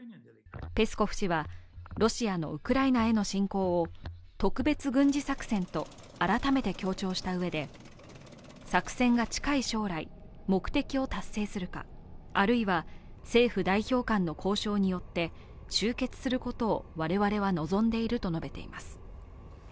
ペスコフ氏は、ロシアのウクライナへの侵攻を特別軍事作戦と改めて強調したうえで作戦が近い将来、目的を達成するかあるいは政府代表官の交渉によって終結することを我々は望んでいると述べています。